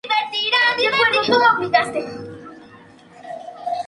El Premio no puede ser declarado desierto.